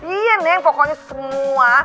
iya neng pokoknya semua